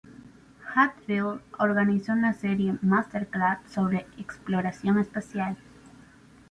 Hadfield organizó una serie MasterClass sobre exploración espacial.